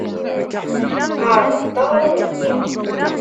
Ɛerḍent aɣrum-nni.